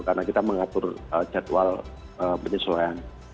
karena kita mengatur jadwal penyesuaian